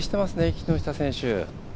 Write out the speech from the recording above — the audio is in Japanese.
木下選手。